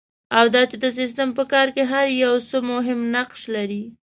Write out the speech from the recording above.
او دا چې د سیسټم په کار کې هر یو څه مهم نقش لري.